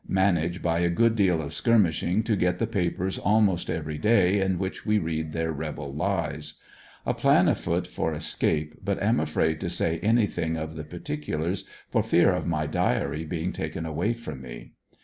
Manage by a good deal of skirmishing to get the papers almost every daj in which we read their rebel lies. A plan afoot for escape , but am afraid to say anything of the particulars for fear of my diary being taken away from me.